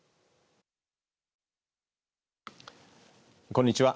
こんにちは。